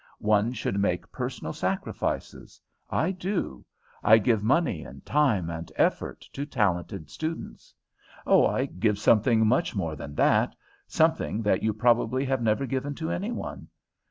One should make personal sacrifices. I do; I give money and time and effort to talented students. Oh, I give something much more than that! something that you probably have never given to any one.